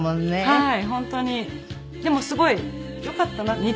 はい。